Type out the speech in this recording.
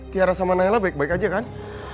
tiara sama naila baik baik aja kan